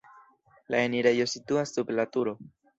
La enirejo situas sub la turo.